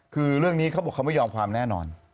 คือเรื่องนี้เขาบอกเขาไม่ยอมความแน่นอน